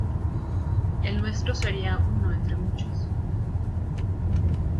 El nuestro sería uno entre muchos.